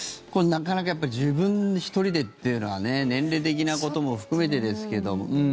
これ、なかなか自分で１人でっていうのは年齢的なことも含めてですけど。